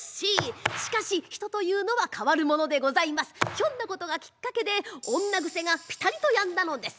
ひょんなことがきっかけで女癖がピタリと止んだのです。